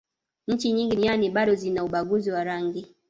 nchi nyingi duniani bado zina ubaguzi wa rangi